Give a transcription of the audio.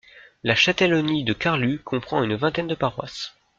La châtellenie de Carlux comprend une vingtaine de paroisses.